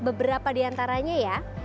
mengingat beberapa di antaranya ya